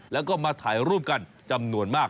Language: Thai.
แล้วก็มาถ่ายรูปกันจำนวนมาก